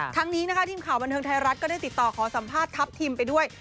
ทั้งนี้นะคะทีมข่าวบันเทิงไทยรัฐก็ได้ติดต่อขอสัมภาษณ์ทัพทิมไปด้วย